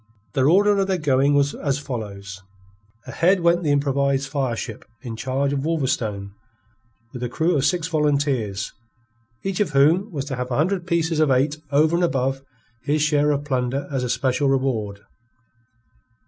The order of their going was as follows: Ahead went the improvised fire ship in charge of Wolverstone, with a crew of six volunteers, each of whom was to have a hundred pieces of eight over and above his share of plunder as a special reward.